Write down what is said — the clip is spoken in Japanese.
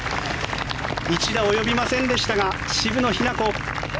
１打及びませんでしたが渋野日向子